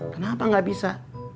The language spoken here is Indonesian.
kenapa gak bisa